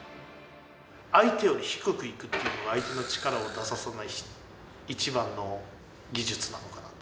相手より低くいくっていうのが相手の力を出ささない一番の技術なのかなと。